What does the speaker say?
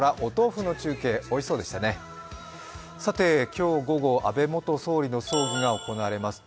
今日午後、安倍元総理の葬儀が行われます。